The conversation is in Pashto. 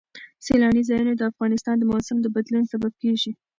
سیلاني ځایونه د افغانستان د موسم د بدلون سبب کېږي.